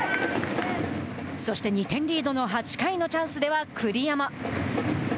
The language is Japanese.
そして、２点リードの８回のチャンスでは栗山。